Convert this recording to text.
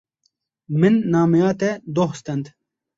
Min nameya te doh stend.